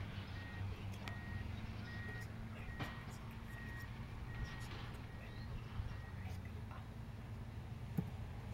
Ich glaube, dass ein einziges gesetzgeberisches Instrument die richtige Antwort ist.